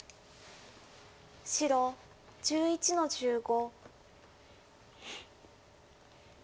白１１の十五。